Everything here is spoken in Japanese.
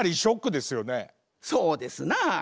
そうですな。